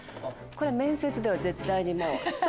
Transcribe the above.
面接では絶対にもう即。